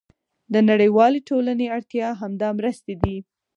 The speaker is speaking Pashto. د نړیوالې ټولنې اړتیا همدا مرستې دي.